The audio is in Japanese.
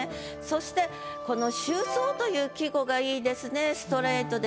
そしてこの「秋爽」という季語がいいですね。